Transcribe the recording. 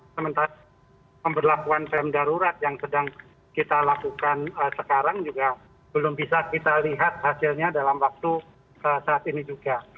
sementara pemberlakuan pem darurat yang sedang kita lakukan sekarang juga belum bisa kita lihat hasilnya dalam waktu saat ini juga